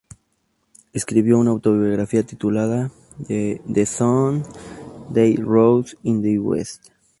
Escribió una autobiografía titulada ""The Son that rose in the West"".